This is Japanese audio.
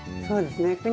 そうですね。